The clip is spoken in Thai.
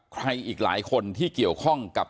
อีกหลายคนที่เกี่ยวข้องกับ